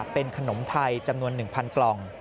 เป็นขนมไทยจำนวน๑๐๐กล่อง